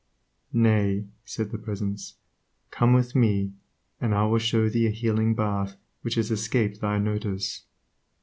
"Nay," said the Presence, "Come with me, and I will show thee a healing bath which has escaped thy notice."